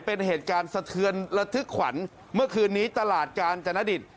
เป็นเหตุการณ์สะเทือนระทึกขวัญเมื่อคืนนี้ตลาดกาญจนดิต